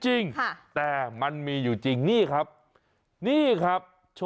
จริงแต่มันมีอยู่จริงนี่แหละครับ